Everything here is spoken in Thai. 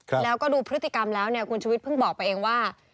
แล้วก็ดูพฤติกรรมแล้วเนี่ยคุณชุวิตเพิ่งบอกไปเองว่า